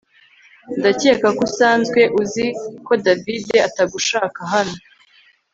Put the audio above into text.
ndakeka ko usanzwe uzi ko davide atagushaka hano